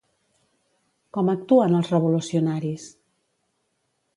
Com actuen els revolucionaris?